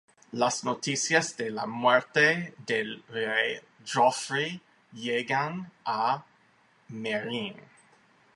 Las noticias de la muerte del rey Joffrey llegan a Meereen.